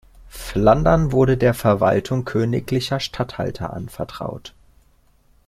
Flandern wurde der Verwaltung königlicher Statthalter anvertraut.